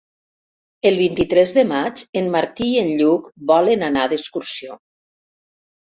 El vint-i-tres de maig en Martí i en Lluc volen anar d'excursió.